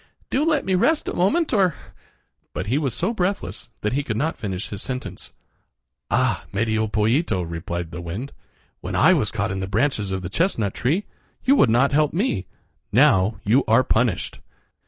Do let me rest a moment, or—" But he was so breathless that he could not finish his sentence. "Ah! Medio Pollito," replied the wind, "when I was caught in the branches of the chestnut tree you would not help me. Now you are punished."